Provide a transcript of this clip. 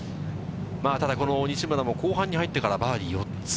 ただ、この西村も後半に入ってからバーディー４つ。